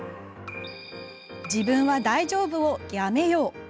「自分は大丈夫。」をやめよう。